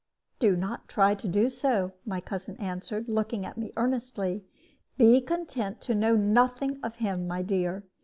"Do not try to do so," my cousin answered, looking at me earnestly; "be content to know nothing of him, my dear.